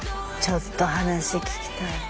ちょっと話聞きたい。